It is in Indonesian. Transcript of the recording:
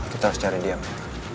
kita harus cari dia men